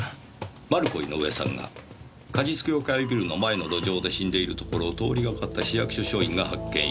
「マルコ・イノウエさんが果実協会ビルの前の路上で死んでいるところを通りがかった市役所所員が発見した」